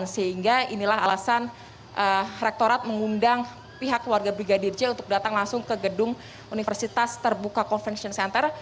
sehingga inilah alasan rektorat mengundang pihak keluarga brigadir j untuk datang langsung ke gedung universitas terbuka convention center